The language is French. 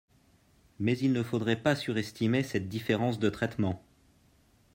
Mais il ne faudrait pas surestimer cette différence de traitement.